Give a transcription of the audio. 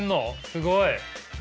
すごい！